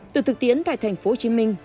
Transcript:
từ thực tiễn tại tp hcm